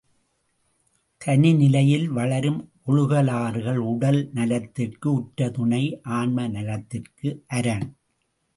தனி நிலையில் வளரும் ஒழுகலாறுகள் உடல் நலத்திற்கு உற்ற துணை ஆன்ம நலத்திற்கு அரண்.